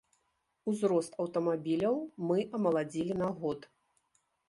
Узрост аўтамабіляў мы амаладзілі на год.